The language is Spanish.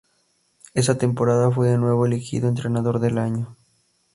Esa temporada fue de nuevo elegido Entrenador del Año.